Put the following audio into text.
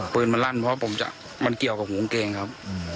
ปืนมันลั่นเพราะผมจะมันเกี่ยวกับหูกางเกงครับ